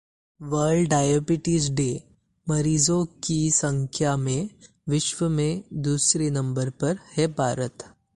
World Diabetes Day: मरीजों की संख्या में विश्व में दूसरे नंबर पर है भारत